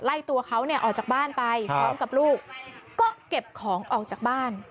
ตัวเขาเนี่ยออกจากบ้านไปพร้อมกับลูกก็เก็บของออกจากบ้าน